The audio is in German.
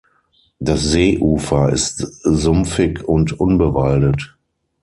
Das Seeufer ist sumpfig und unbewaldet.